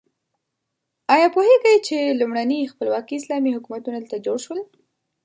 ایا پوهیږئ چې لومړني خپلواکي اسلامي حکومتونه دلته جوړ شول؟